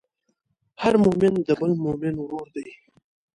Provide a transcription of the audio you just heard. هر مؤمن د بل مؤمن ورور دی.